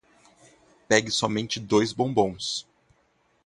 Pegue somente dois bombons .